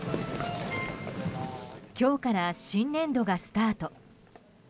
今日から新年度がスタート。